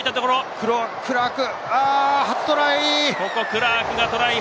クラーク、初トライ！